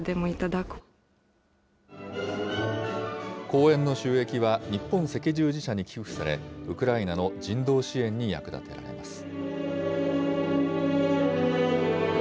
公演の収益は、日本赤十字社に寄付され、ウクライナの人道支援に役立てられます。